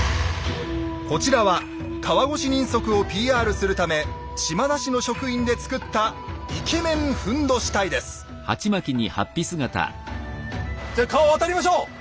こちらは川越人足をＰＲするため島田市の職員で作ったじゃ川を渡りましょう！